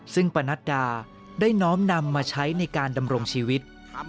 ซึ่งปนัดดาได้น้อมนำมาใช้ในการดำรงชีวิต